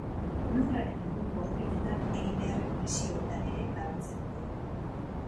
Lurraren inguruko orbitetan egin beharreko misioetan ere laguntzen dute.